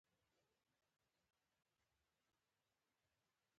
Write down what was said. چې لوستونکى ورته ګوته په غاښ دى